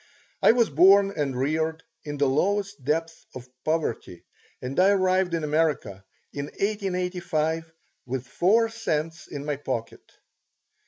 I was born and reared in the lowest depths of poverty and I arrived in America in 1885 with four cents in my pocket.